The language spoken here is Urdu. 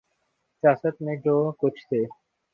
سیاست میں جو کچھ تھے۔